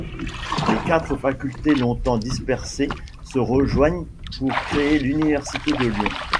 Les quatre facultés longtemps dispersées se rejoignent pour créer l'Université de Lyon.